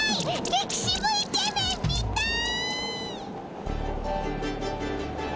ゲキシブイケメン見たい！